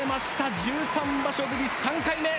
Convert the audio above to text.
１３場所ぶり３回目。